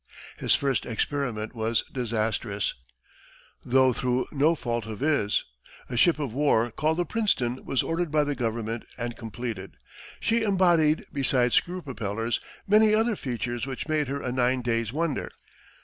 His first experiment was disastrous though through no fault of his. A ship of war called the Princeton was ordered by the government and completed. She embodied, besides screw propellers, many other features which made her a nine days' wonder.